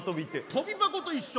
とび箱と一緒。